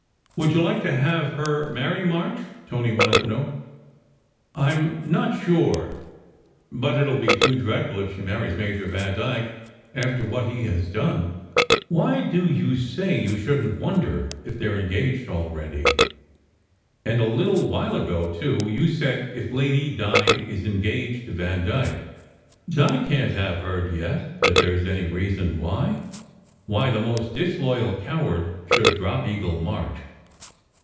"Would you like to have her marry March?" Tony wanted to know. "I m not sure! But it will be too dreadful if she marries Major Vandyke after what he has done. Why do you say you * shouldn t wonder if they re engaged already? And a little while ago, too, you said * if Lady Di is engaged to Vandyke. Di can t have heard yet that there s any reason why why the most disloyal coward should drop Eagle March."